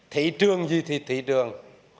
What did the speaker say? thị trường gì thì thị trường